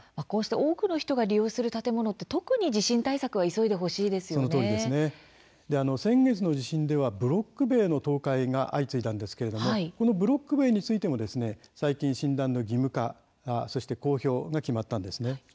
多くの人が利用する建物は特に地震対策先月の地震ではブロック塀の倒壊が相次いだんですがこのブロック塀についても耐震診断の義務化そして公表が決まりました。